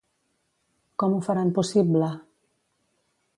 Com ho faran possible?